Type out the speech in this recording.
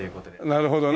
なるほどね。